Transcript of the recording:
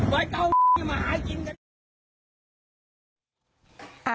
ร้อยเก้ามาหากินกัน